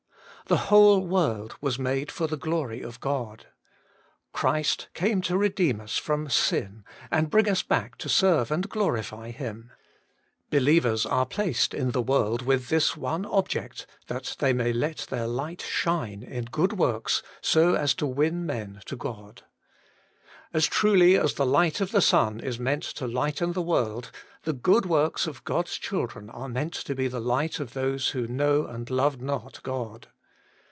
The whole world was made for the glory of God. Christ came to redeem us from sin and bring us back to serve and glorify Him. Believers are placed in the world with this one object, that they may let their light shine in good works, so as to win men to God. As truly as the light of the sun is meant to lighten the world, the good works of God's children are meant to be the light of those who know and love not God.